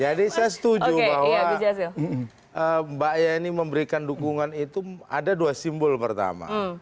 jadi saya setuju bahwa mbak ea ini memberikan dukungan itu ada dua simbol pertama